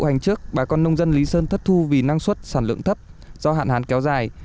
nông dân lý sơn thất thu vì năng suất sản lượng thấp do hạn hán kéo dài